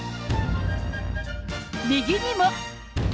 右にも。